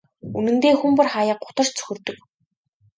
Үнэндээ хүн бүр хааяа гутарч цөхөрдөг.